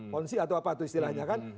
ponzi atau apa itu istilahnya kan